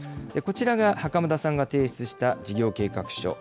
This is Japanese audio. こちらが袴田さんが提出した事業計画書。